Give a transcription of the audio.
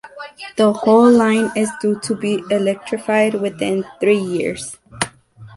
The whole line is due to be electrified within three years.